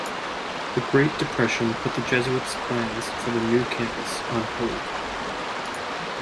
The Great Depression put the Jesuits plans for the new campus on hold.